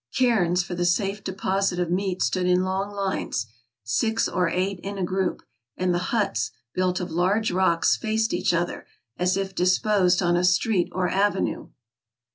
Cairns for the safe deposit of meat stood in long lines, six or eight in a group; and the huts, built of large rocks, faced each other, as if dis posed on a street or avenue.